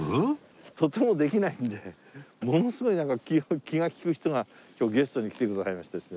とてもできないんでものすごい気が利く人が今日ゲストに来てくださいましてですね。